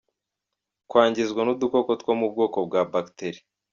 Kwangizwa n’udukoko two mu bwoko bwa ‘Bactéries’.